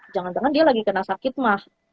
jangan jangan dia lagi kena sakitmah